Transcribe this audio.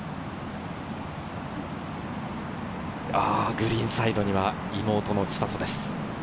グリーンサイドには、妹の千怜です。